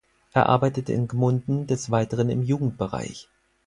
Er arbeitete in Gmunden des Weiteren im Jugendbereich.